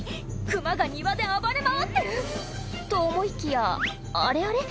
熊が庭で暴れ回ってる！と思いきやあれあれ？